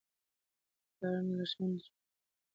پلارنۍ لارښوونې يې د ژوند بنسټ وګرځېدې.